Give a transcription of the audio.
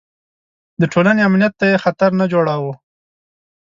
د ټولنې امنیت ته یې خطر نه جوړاوه.